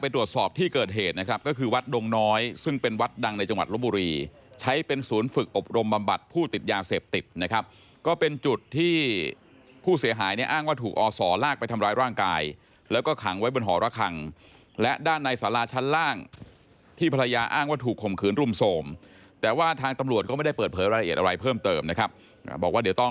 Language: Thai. เดี๋ยวมาดูทางฝั่งเจ้าหน้าที่บ้างนะครับ